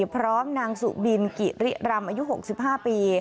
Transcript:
พร้อมนางสุบินกิริรำอายุ๖๕ปี